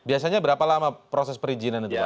biasanya berapa lama proses perizinan itu pak